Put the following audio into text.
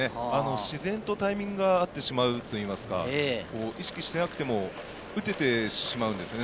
自然とタイミングが合ってしまうというか、意識していなくても打ててしまうんですよね。